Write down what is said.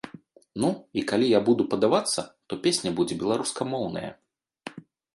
Ну, і калі я буду падавацца, то песня будзе беларускамоўная.